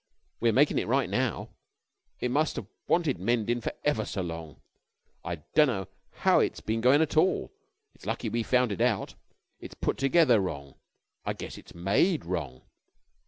We're makin' it right now. It must have wanted mendin' for ever so long. I dunno how it's been goin' at all. It's lucky we found it out. It's put together wrong. I guess it's made wrong.